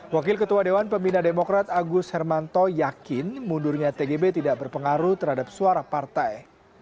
wakil ketua dewan pembina demokrat agus hermanto yakin mundurnya tgb tidak berpengaruh terhadap suara partai